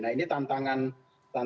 nah ini tantangan beliau